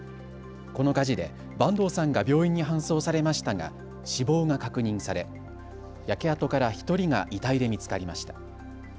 この火事で坂東さんが病院に搬送されましたが死亡が確認され焼け跡から１人が遺体で見つかりました。